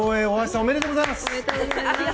おめでとうございます！